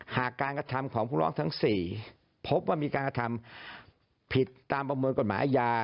หากการกระทำของผู้ร้องทั้ง๔พบว่ามีการกระทำผิดตามประมวลกฎหมายอาญา